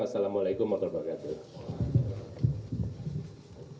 assalamu'alaikum warahmatullahi wabarakatuh